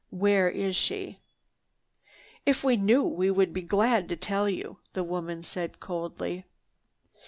Where is she?" "If we knew, we would be glad to tell you," the woman said coldly.